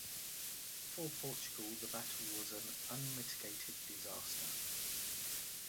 For Portugal, the battle was an unmitigated disaster.